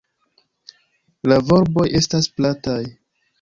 La volboj estas plataj.